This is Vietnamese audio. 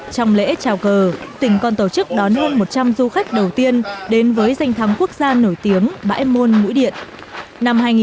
trong lễ trào cờ tỉnh còn tổ chức đón hơn một trăm linh du khách đầu tiên đến với danh thắng quốc gia nổi tiếng bãi môn mũi điện